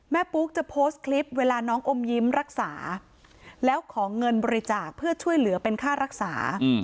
ปุ๊กจะโพสต์คลิปเวลาน้องอมยิ้มรักษาแล้วขอเงินบริจาคเพื่อช่วยเหลือเป็นค่ารักษา